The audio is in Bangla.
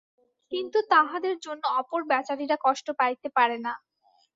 কিন্তু তাহাদের জন্য অপর বেচারীরা কষ্ট পাইতে পারে না।